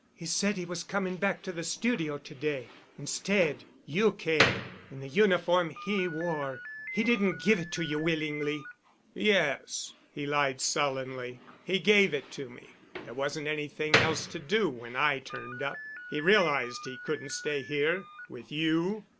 He said he was coming back to the studio to day. Instead, you came—in the uniform he wore. He didn't give it to you willingly——" "Yes," he lied sullenly. "He gave it to me. There wasn't anything else to do when I turned up. He realized he couldn't stay here—with you."